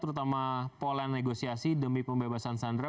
terutama pola negosiasi demi pembebasan sandra